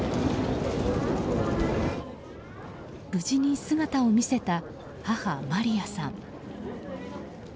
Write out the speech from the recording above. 無事に姿を見せた母マリヤさん。